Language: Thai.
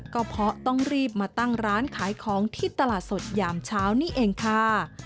ก็เพราะต้องรีบมาตั้งร้านขายของที่ตลาดสดยามเช้านี่เองค่ะ